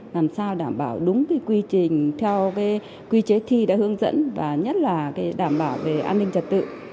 làm sao đảm bảo đúng quy trình theo quy chế thi đã hướng dẫn và nhất là đảm bảo về an ninh trật tự